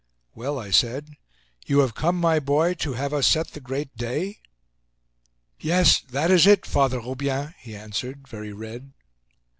"Well," I said, "you have come, my boy, to have us set the great day?" "Yes, that is it, Father Roubien," he answered, very red.